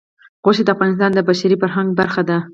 غوښې د افغانستان د بشري فرهنګ برخه ده.